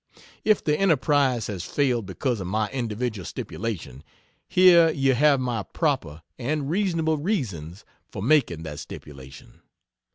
If the enterprise has failed because of my individual stipulation, here you have my proper and reasonable reasons for making that stipulation.